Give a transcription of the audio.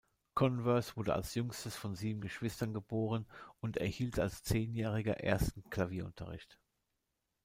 Converse wurde als jüngstes von sieben Geschwistern geboren und erhielt als Zehnjähriger ersten Klavierunterricht.